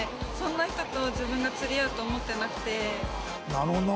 なるほどね。